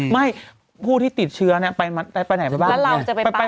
ไม่ผู้ที่ติดเชื้อน้นเนี่ยไปไหนประมาณแบบนี้